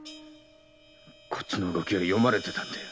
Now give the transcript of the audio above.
こっちの動きは読まれてたんだよ。